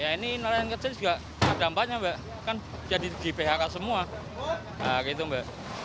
ini nelayan kecil juga ada dampaknya kan jadi di phk semua